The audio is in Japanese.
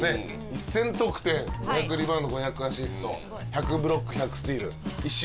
１０００得点５００リバウンド５００アシスト１００ブロック１００スティール１シーズンでね。